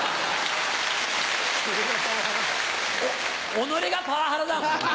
己がパワハラだ！